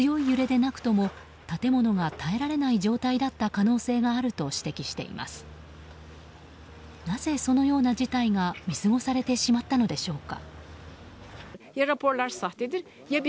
なぜ、そのような事態が見過ごされてしまったのでしょうか。